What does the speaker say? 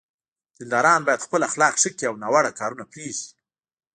دینداران باید خپل اخلاق ښه کړي او ناوړه کارونه پرېږدي.